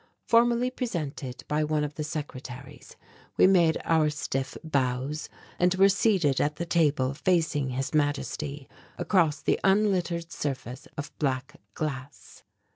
Formally presented by one of the secretaries we made our stiff bows and were seated at the table facing His Majesty across the unlittered surface of black glass.